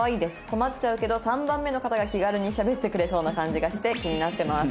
困っちゃうけど３番目の方が気軽にしゃべってくれそうな感じがして気になってます」。